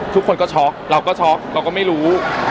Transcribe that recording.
ทุกคนก็ช็อกเราก็ช็อกเราก็ไม่รู้